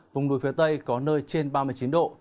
vùng núi phía tây có nơi trên ba mươi chín độ